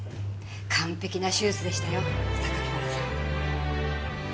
完璧な手術でしたよ榊原さん。